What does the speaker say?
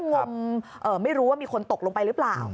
งมไม่รู้ว่ามีคนตกลงไปหรือเปล่า